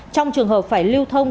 trong trường hợp phải lưu thông